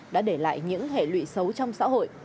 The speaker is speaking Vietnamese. đã để lại những hệ lụy xấu trong xã hội